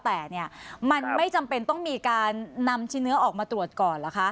แต่มันไม่จำเป็นต้องมีการนำชิ้นเนื้อออกมาตรวจก่อนเหรอคะ